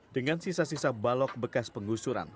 dengan sisa sisa balok bekas penggusuran